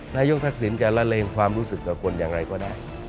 นายกทักษิณจะละเลงความรู้สึกกับคนอย่างไรก็ได้